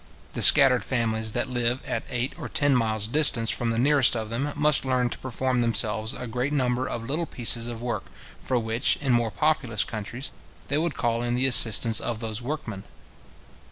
The scattered families that live at eight or ten miles distance from the nearest of them, must learn to perform themselves a great number of little pieces of work, for which, in more populous countries, they would call in the assistance of those workmen.